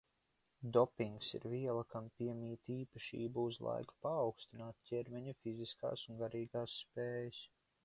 Dopings ir viela, kam piemīt īpašība uz laiku paaugstināt ķermeņa fiziskās un garīgās spējas.